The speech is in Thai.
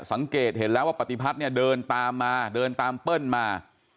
สังเกตเห็นแล้วว่าปฏิพัฒน์เนี่ยเดินตามมาเดินตามเปิ้ลมา